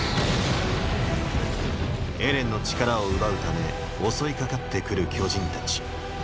エレンの力を奪うため襲いかかってくる巨人たち。